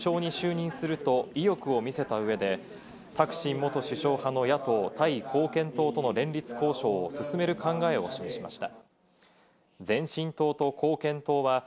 ピタ党首は１４日、みずからが首相に就任すると意欲を見せた上でタクシン元首相派の野党・タイ貢献党との連立交渉を進める考えを示しました。